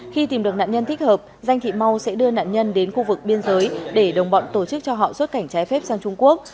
khi tìm được nạn nhân thích hợp danh thị mau sẽ đưa nạn nhân đến khu vực biên giới để đồng bọn tổ chức cho họ xuất cảnh trái phép sang trung quốc